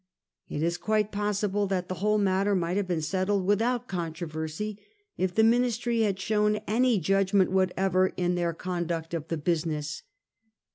It is quite possible that the whole matter might have been settled without controversy if the Ministry had shown any judgment whatever in their conduct of the business.